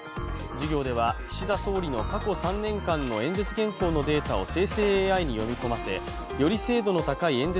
授業では、岸田総理の過去３年間の演説原稿のデータを生成ＡＩに読み込ませ、より精度の高い演説